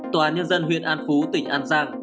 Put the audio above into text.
tòa án nhân dân huyện an phú tỉnh an giang